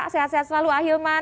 sehat sehat selalu ahilman